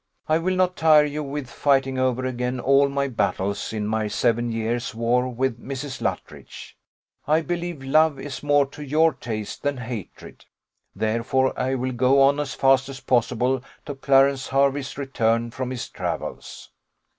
I will not tire you with fighting over again all my battles in my seven years' war with Mrs. Luttridge. I believe love is more to your taste than hatred; therefore I will go on as fast as possible to Clarence Hervey's return from his travels.